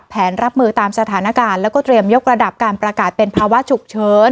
รับมือตามสถานการณ์แล้วก็เตรียมยกระดับการประกาศเป็นภาวะฉุกเฉิน